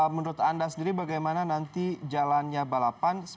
menurut anda sendiri bagaimana nanti jalannya balapan